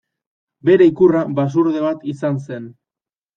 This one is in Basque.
Bere ikurra basurde bat izan zen.